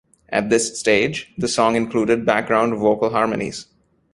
At this stage the song included background vocal harmonies.